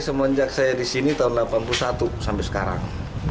pembuangan air disini tahun seribu sembilan ratus delapan puluh satu sampai sekarang